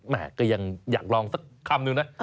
แม่ก็ยังอยากลองสักคำนึงนะ